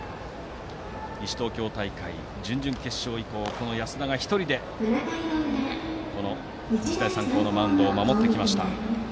西東京大会、準々決勝以降この安田が１人で日大三高のマウンドを守ってきました。